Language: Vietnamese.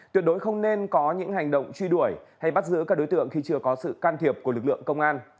tuyệt đối không nên có những hành động truy đuổi hay bắt giữ các đối tượng khi chưa có sự can thiệp của lực lượng công an